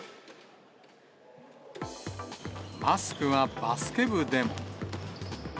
マスクはバスケ部でも。